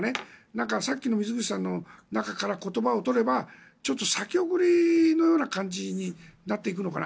さっきの水口さんの中から言葉を取ればちょっと先送りのような感じになっていくのかな。